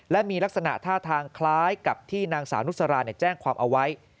และมีลักษณะท่าทางคล้ายกับที่นางสาวนุสราแจ้งความเอาไว้